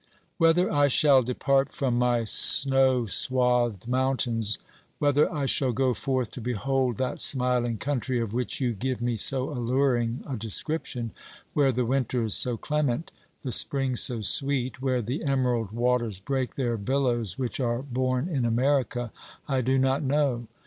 Whether I shall depart from my snow swathed mountains, whether I shall go forth to behold that smiling country of which you give me so alluring a description, where the winter is so clement, the spring so sweet, where the emerald waters break their billows which are born in America — I do not know.